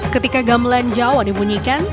ketika gamelan jawa dibunyikan